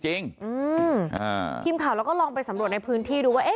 อืมพิมพ์ข่าวแล้วก็ลองไปสำรวจในพื้นที่ดูว่า